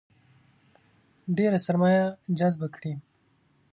ډېره سرمایه جذبه کړي.